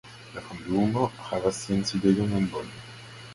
La Fondumo havas sian sidejon en Bonn.